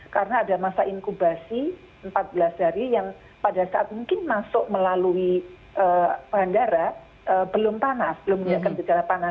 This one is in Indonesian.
karena ada masa inkubasi empat belas hari yang pada saat mungkin masuk melalui bandara belum panas belum punya kebijakan panas